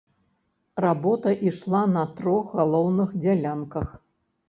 Работа ішла на трох галоўных дзялянках.